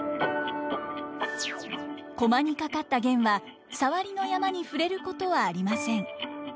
駒にかかった絃はサワリの山に触れることはありません。